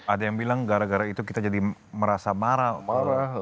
ada yang bilang gara gara itu kita jadi merasa marah